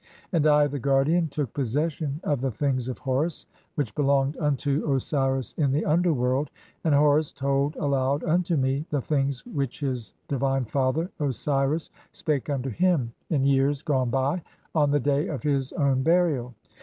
And I, the guardian, "took possession of the things of Horus [which belonged] unto "Osiris in the underworld, and Horus told aloud unto me (23) "the things which his divine father Osiris spake unto him in "years [gone by] on the day of his own burial.